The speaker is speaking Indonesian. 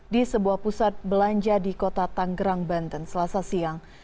di sebuah pusat belanja di kota tanggerang banten selasa siang